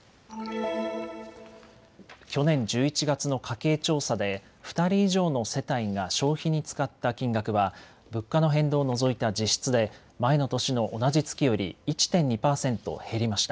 去年１１月の家計調査で２人以上の世帯が消費に使った金額は物価の変動を除いた実質で前の年の同じ月より１．２％減りました。